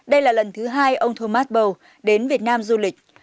đây là lần thứ hai ông thomas bầu đến việt nam du lịch